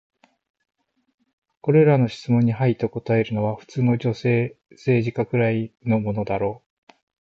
これらの質問に「はい」と答えるのは、普通の女性政治家くらいのものだろう。